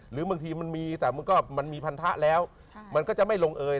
หรือบางทีมันมีแต่มันก็มันมีพันธะแล้วมันก็จะไม่ลงเอย